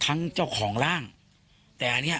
คุณสังเงียมต้องตายแล้วคุณสังเงียม